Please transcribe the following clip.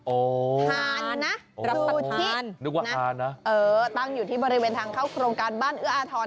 ทานนะรับสัทธิตั้งอยู่ที่บริเวณทางเข้าโครงการบ้านเอื้ออาทร